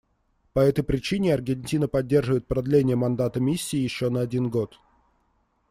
По этой причине Аргентина поддерживает продление мандата Миссии еще на один год.